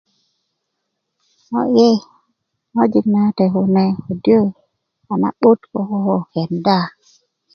yee ŋojik nawate kune ködö a na'but ko koko kenda